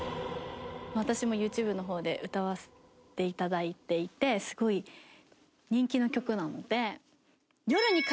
私もＹｏｕＴｕｂｅの方で歌わせていただいていてすごい人気の曲なので。